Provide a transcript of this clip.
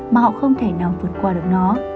mà họ không thể nào vượt qua được nó